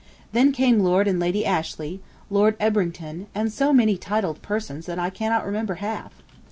Then came Lord and Lady Ashley, Lord Ebrington, and so many titled personages that I cannot remember half.